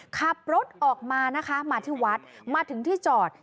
ขับรถออกมานะคะมาที่วัดมาถึงที่จอด